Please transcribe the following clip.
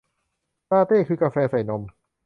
ลาเต้ คือกาแฟใส่นม